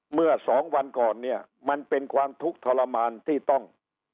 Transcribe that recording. เมื่อสองวันก่อนเนี่ยมันเป็นความทุกข์ทรมานที่ต้อง